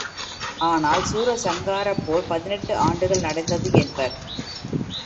ஆனால் சூரசங்காரப் போர் பதினெட்டு ஆண்டுகள் நடந்தது என்பர்.